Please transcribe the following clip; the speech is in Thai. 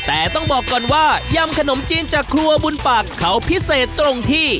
แต่ต้องบอกก่อนว่ายำขนมจีนจากครัวบุญปากเขาพิเศษตรงที่